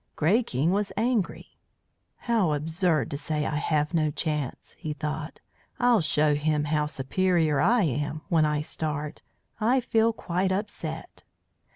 Grey King was angry. "How absurd to say I have no chance!" he thought. "I'll show him how superior I am when I start. I feel quite upset."